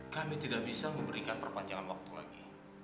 kami tidak bisa memberikan perpanjangan waktu lagi